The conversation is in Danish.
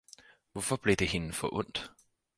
hvorfor blev det hende forundt!